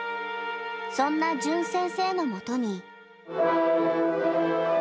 そんな淳先生のもとに。